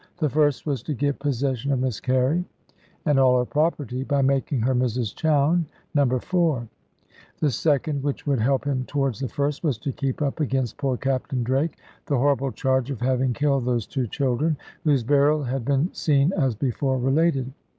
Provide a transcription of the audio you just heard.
The first was to get possession of Miss Carey and all her property, by making her Mrs Chowne, No. 4; the second, which would help him towards the first, was to keep up against poor Captain Drake the horrible charge of having killed those two children, whose burial had been seen as before related.